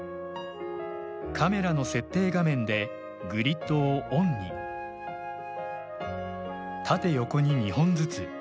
カメラの設定画面でグリッドをオンに縦横に２本ずつ。